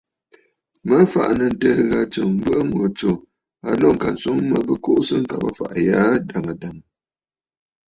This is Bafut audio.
Mə fàʼà nɨ̂ ǹtɨɨ̀ ghâ tsɨm, mbɨ̀ʼɨ̀ ŋù tsù a lǒ ŋka swoŋ mə bɨ kuʼusə ŋkabə̀ ɨfàʼà ghaa adàŋə̀ dàŋə̀.